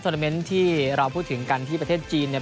นาเมนต์ที่เราพูดถึงกันที่ประเทศจีนเนี่ย